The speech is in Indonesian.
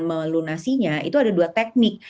melunasinya itu ada dua teknik